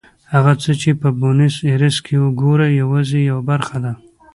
هغه څه چې په بونیس ایرس کې ګورئ یوازې یوه برخه ده.